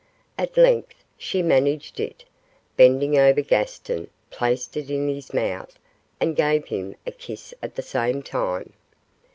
At length she managed it, and bending over Gaston, placed it in his mouth, and gave him a kiss at the same time.